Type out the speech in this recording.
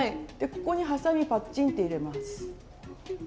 ここにはさみパッチンって入れます。